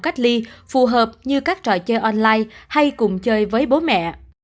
cách ly phù hợp như các trò chơi online hay cùng chơi với bố mẹ